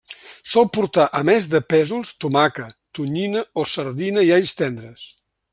Sol portar a més de pèsols tomaca, tonyina o sardina i alls tendres.